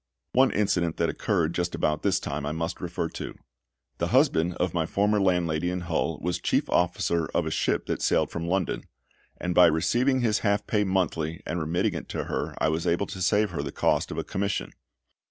One incident that occurred just about this time I must refer to. The husband of my former landlady in Hull was chief officer of a ship that sailed from London, and by receiving his half pay monthly and remitting it to her I was able to save her the cost of a commission.